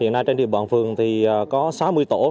hiện nay trên địa bàn phường thì có sáu mươi tổ